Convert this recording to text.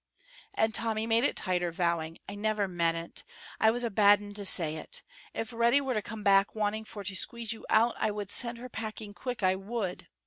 And Tommy made it tighter, vowing, "I never meant it; I was a bad un to say it. If Reddy were to come back wanting for to squeeze you out, I would send her packing quick, I would.